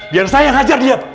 biar saya yang hajar dia